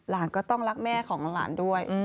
ยาก็ต้องรักแม่ของลาลด้วย